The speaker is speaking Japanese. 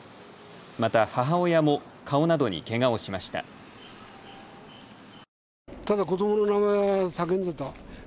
また母親も顔などにけがをしました。